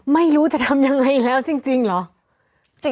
ไม่รู้จะทำยังไงแล้วจริงเหรอ